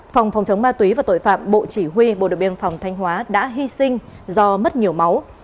phòng phòng chống ma túy và tội phạm bộ chỉ huy bộ đội biên phòng thanh hóa đã hy sinh do mất nhiều máu